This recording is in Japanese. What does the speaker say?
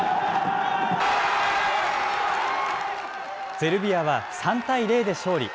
ゼルビアは３対０で勝利。